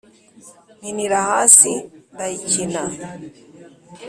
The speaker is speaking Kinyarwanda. mpinira hasi ndayikina